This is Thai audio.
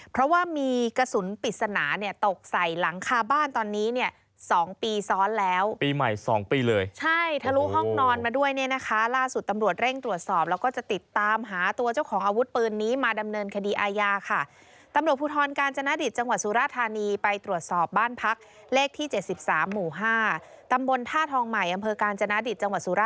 เพราะว่ามีกระสุนปิดสนาตกใส่หลังคาบ้านตอนนี้๒ปีซ้อนแล้ว